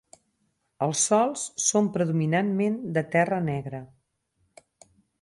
Els sòls són predominantment de terra negra.